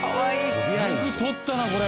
よく撮ったなこれ。